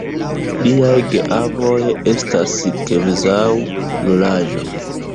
Liaj geavoj estas kvazaŭ nulaĵo.